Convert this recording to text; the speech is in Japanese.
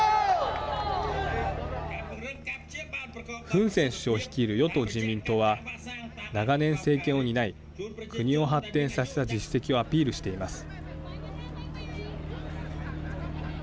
フン・セン首相率いる与党・人民党は長年、政権を担い国を発展させた実績をアピールしています。